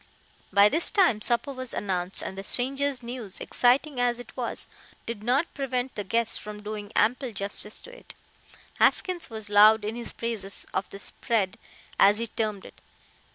By this time supper was announced, and the stranger's news, exciting as it was, did not prevent the guests from doing ample justice to it. Haskins was loud in his praises of the "spread," as he termed it.